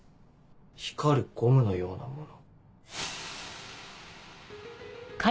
光るゴムのような物。